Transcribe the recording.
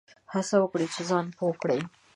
هڅه وکړه چي ځان پوه کړې !